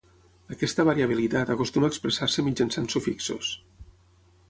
Aquesta variabilitat acostuma a expressar-se mitjançant sufixos.